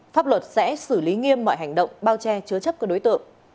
pháp luật sẽ xử lý nghiêm mọi hành động bao che chứa chấp các đối tượng